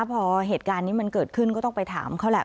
พอเหตุการณ์นี้มันเกิดขึ้นก็ต้องไปถามเขาแหละ